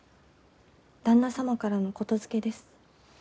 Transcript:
旦那様からの言づけです。